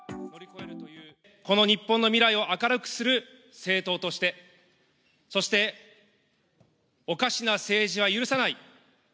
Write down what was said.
この日本の未来を明るくする政党として、そして、おかしな政治は許さない。